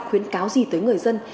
khuyến cáo gì tới người dân